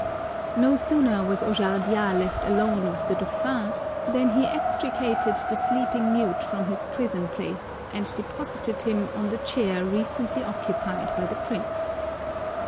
No sooner was Ojardias left alone with the dauphin than he extricated the sleeping mute from his prison place and deposited him on the chair recently occupied by the prince.